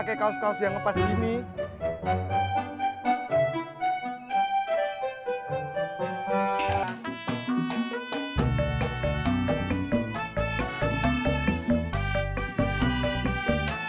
ibu fatie yang mah besarnya